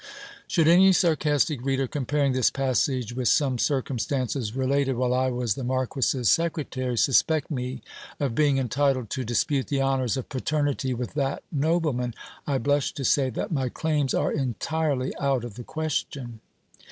Should any sarcastic reader, comparing this passage with some circumstances related while I was the marquis's secretary, suspect me of being entitled to dis pute the honours of paternity with that nobleman, I blush to say, that my claims are entirely out of the question.